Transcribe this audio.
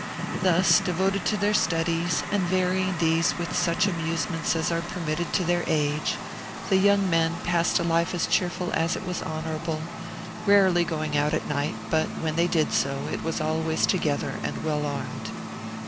Thus, devoted to their studies, and varying these with such amusements as are permitted to their age, the young men passed a life as cheerful as it was honourable, rarely going out at night, but when they did so, it was always together and well armed.